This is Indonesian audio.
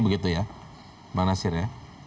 begitu ya bang nasir ya